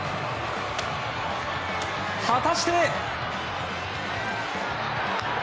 果たして。